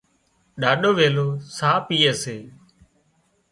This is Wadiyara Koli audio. ڏاڏو ويلِي ساهَه پيئي سي